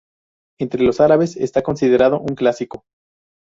Entre los árabes, está considerado un clásico.